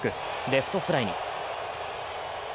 レフトフライに。